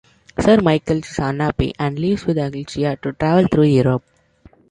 Sir Michael is unhappy and leaves with Alicia to travel through Europe.